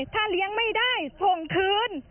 ถ้าเลี้ยงไม่ได้ส่งคืน